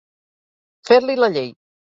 Fer-li la llei.